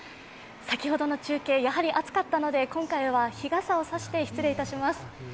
先ほどの中継、やはり暑かったので今回は日傘を差して失礼いたします。